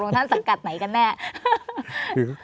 ตรงทางสังกัดไหนกันแน่